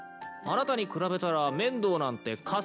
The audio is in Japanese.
「あなたに比べたら面堂なんてカスよ」